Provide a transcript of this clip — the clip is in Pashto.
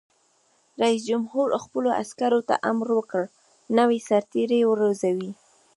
رئیس جمهور خپلو عسکرو ته امر وکړ؛ نوي سرتېري وروزیئ!